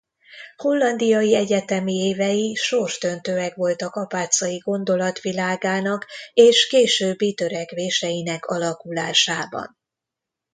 Hollandiai egyetemi évei sorsdöntőek voltak Apáczai gondolatvilágának és későbbi törekvéseinek alakulásában.